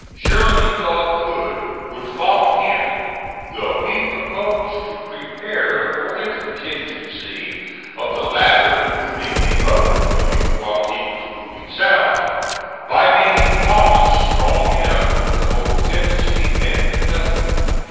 Sherman thought Hood would follow him, though he proposed to prepare for the contingency of the latter moving the other way while he was moving south, by making Thomas strong enough to hold Tennessee and Kentucky.